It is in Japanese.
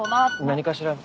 何かしらの。